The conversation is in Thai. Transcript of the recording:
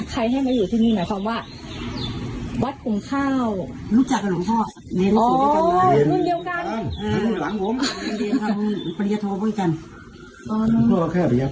เขาจบบริญญาเอกแล้วนะผมก็จบไม่ผมก็จบผมก็จบบริญญาเอก